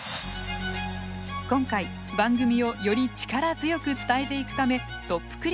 今回番組をより力強く伝えていくためトップ